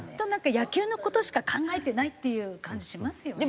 野球の事しか考えてないっていう感じしますよね。